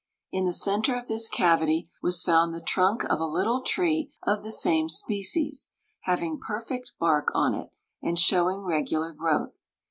In the centre of this cavity was found the trunk of a little tree of the same species, having perfect bark on it, and showing regular growth.